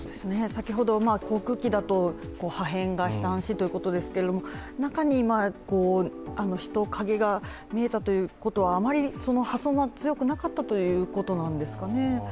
先ほど航空機だと破片が飛散しということですけれども、中に人影が見えたということはあまり破損は強くなかったということなんですかね。